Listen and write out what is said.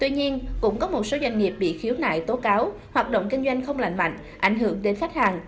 nại tố cáo hoạt động kinh doanh không lạnh mạnh ảnh hưởng đến khách hàng